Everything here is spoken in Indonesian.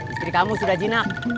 istri kamu sudah jinak